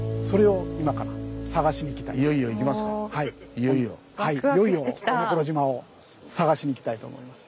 いよいよおのころ島を探しに行きたいと思います。